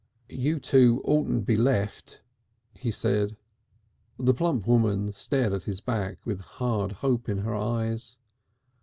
"You two oughtn't to be left," he said. The plump woman stared at his back with hard hope in her eyes.